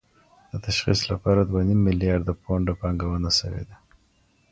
د تشخیص لپاره دوه نیم میلیارد پونډه پانګونه شوې ده.